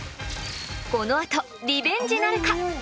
この後リベンジなるか？